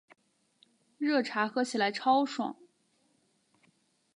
热茶喝起来超爽